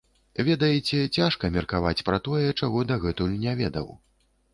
Ведаеце, цяжка меркаваць пра тое, чаго дагэтуль не ведаў.